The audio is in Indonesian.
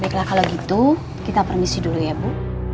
kalau gitu kita permisi dulu ya bu